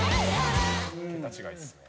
桁違いっすね。